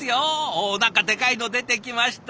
おお何かでかいの出てきました！